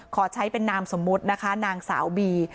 ขอใช้เป็นนามสมมุตินะคะนางสาวบี